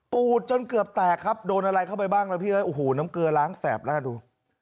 ปูดจนเกือบแตกครับโดนอะไรเข้าไปบ้างแล้วพี่เอ้ยโอ้โหน้ำเกลือล้างแสบแล้วดู